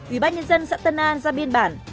ủy ban nhân dân xã tân an ra biên bản